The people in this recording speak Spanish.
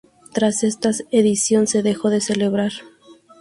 Tras esta edición se dejó de celebrar.